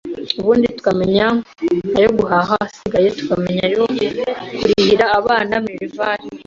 ubundi tukamenya ayo guhaha, asigaye, tukamenya ayo kurihira abana Minervale,...